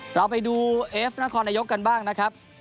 เราไปดูเอฟนครนายกกันบ้างนะครับ